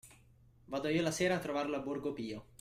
Vado io la sera a trovarlo a Borgo Pio